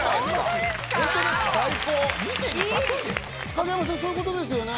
影山さんそういうことですよね？